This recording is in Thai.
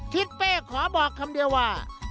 ทิศเป้ขอบอกคำเดียวว่า